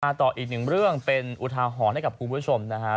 ต่ออีกหนึ่งเรื่องเป็นอุทาหรณ์ให้กับคุณผู้ชมนะครับ